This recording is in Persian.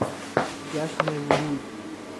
جشن ورود